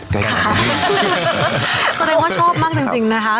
แสดงว่าชอบมากจริงนะคะ